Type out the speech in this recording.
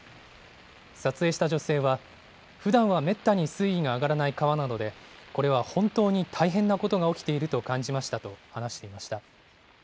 撮影した女性は、ふだんはめったに水位が上がらない川なので、これは本当に大変なことが起きていると感じましたと話していました。